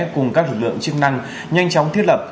cùng các lực lượng chức năng nhanh chóng thiết lập